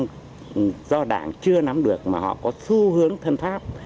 nhưng do đảng chưa nắm được mà họ có xu hướng thân pháp